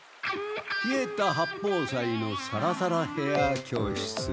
稗田八方斎のサラサラヘア教室！